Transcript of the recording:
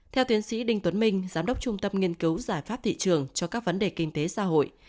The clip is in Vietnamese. theo tiến sĩ đinh tuấn minh giám đốc trung tâm nghiên cứu giải pháp thị trường cho các vấn đề kinh tế xã hội